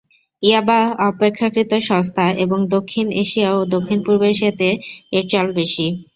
ইয়াবা অপেক্ষাকৃত সস্তা এবং দক্ষিণ এশিয়া ও দক্ষিণ-পূর্ব এশিয়াতে এর চল বেশি।